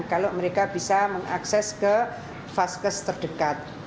kalau mereka bisa mengakses ke vaskes terdekat